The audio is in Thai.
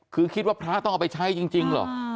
คือคิดว่าพระต้องเอาไปใช้จริงเหรอ